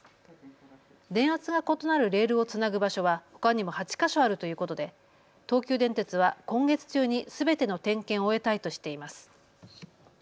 電圧が異なるレールをつなぐ場所はほかにも８か所あるということで東急電鉄は今月中にすべての点検を終えたいとしています。